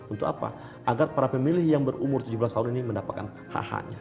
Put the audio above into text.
untuk apa agar para pemilih yang berumur tujuh belas tahun ini mendapatkan hak haknya